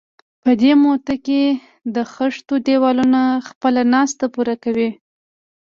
په دې موده کې د خښتو دېوالونه خپله ناسته پوره کوي.